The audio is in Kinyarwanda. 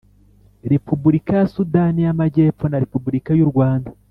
Repubulika ya Sudani y Amajyepfo na Repubulika y u rwanda